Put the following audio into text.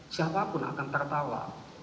siapapun akan tertawa